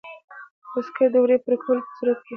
د عسکري دورې د پوره کولو په صورت کې.